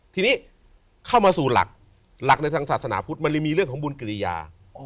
ทีนี้เข้ามาสู่หลักในทางศาสนาพุทธมันเลยมีเรื่องของบุญกิริยา